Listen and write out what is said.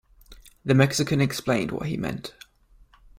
The Mexican explained what he meant.